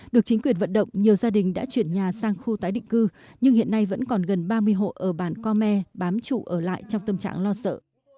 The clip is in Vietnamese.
được chính quyền vận động nhiều gia đình đã chuyển nhà sang khu tái định cư nhưng hiện nay vẫn còn gần ba mươi hộ ở bản co me bám trụ ở lại trong tâm trạng lo sợ